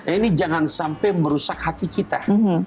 ini jangan sampai merusak hati kita